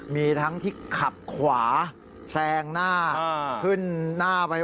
มีทั้งที่ขับขวาแซงหน้าขึ้นหน้าไป